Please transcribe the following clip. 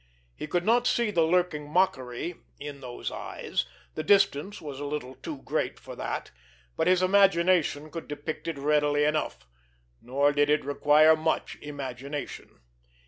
He could not see the lurking mockery in those eyes, the distance was a little too great for that, but his imagination could depict it readily enough. Nor did it require much imagination!